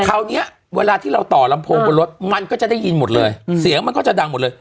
คราวนี้เวลาที่เราต่อลำโพงบนรถมันก็จะได้ยินหมดเลยเสียงมันก็จะดังหมดเลย